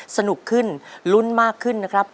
สนุกขึ้นลุ้นมากขึ้นนะครับ